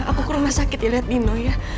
aku ke rumah sakit ya lihat nino ya